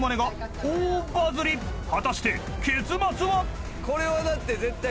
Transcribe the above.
［果たして結末は⁉］